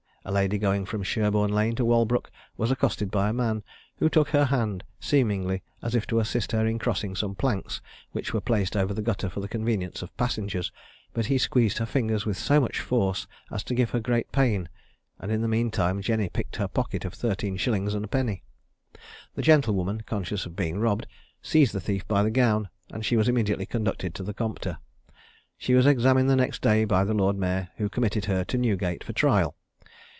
A lady going from Sherborne lane to Walbrook was accosted by a man, who took her hand, seemingly as if to assist her in crossing some planks which were placed over the gutter for the convenience of passengers; but he squeezed her fingers with so much force as to give her great pain, and in the mean time Jenny picked her pocket of thirteen shillings and a penny. The gentlewoman, conscious of being robbed, seized the thief by the gown, and she was immediately conducted to the Compter. She was examined the next day by the lord mayor, who committed her to Newgate for trial.